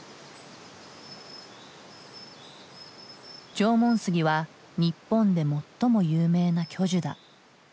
縄文杉は日本で最も有名な巨樹だ。